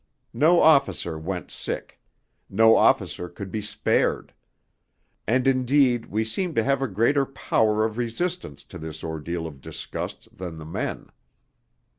No officer went sick; no officer could be spared; and indeed we seemed to have a greater power of resistance to this ordeal of disgust than the men.